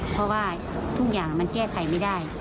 เพราะว่าทุกอย่างมันแก้ไขไม่ได้